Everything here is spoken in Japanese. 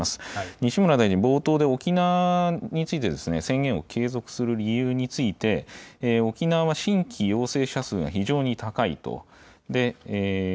西村大臣、冒頭で沖縄について宣言を継続する理由について、沖縄は新規陽性者数が非常に高いと。